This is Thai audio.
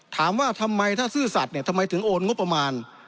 ถามว่าทำไมถ้าซื่อสัตว์เนี่ยทำไมถึงโอนงบประมาณ